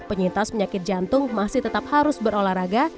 penyintas penyakit jantung masih tetap harus berolahraga